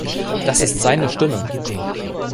Das ist seine Stimme!